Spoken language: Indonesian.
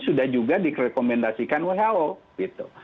sudah juga di rekomendasikan who gitu